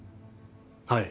はい。